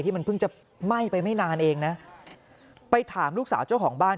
มันเพิ่งจะไหม้ไปไม่นานเองนะไปถามลูกสาวเจ้าของบ้าน